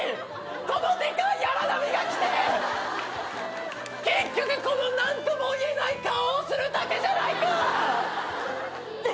このでかいアラナミが来て結局この何とも言えない顔をするだけじゃないか！